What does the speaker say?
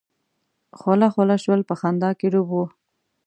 خوله خوله شول په خندا کې ډوب وو.